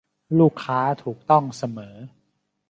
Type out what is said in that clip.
ลูกค้าถูกต้องเสมอ